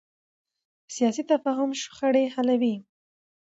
سیاسي تفاهم شخړې حلوي